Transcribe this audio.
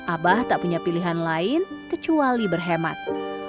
abah tak punya pilihan lain kecuali berhemat